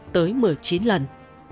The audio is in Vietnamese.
tới một mươi chín lần